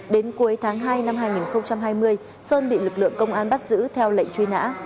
đến cuối tháng hai năm hai nghìn hai mươi sơn bị lực lượng công an bắt giữ theo lệnh truy nã